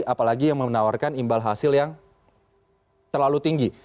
apalagi yang menawarkan imbal hasil yang terlalu tinggi